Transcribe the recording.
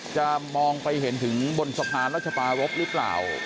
มองไปเห็นถึงบนสะพานรัชปารพหรือเปล่า